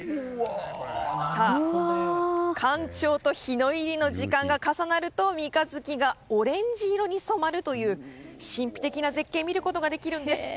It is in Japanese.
干潮と日の入りの時間が重なると三日月がオレンジ色に染まるという神秘的な絶景を見ることができるんです。